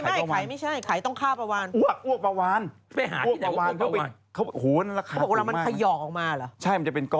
ถ้ามีก็รวยไปแล้ว๕๘๐ล้าน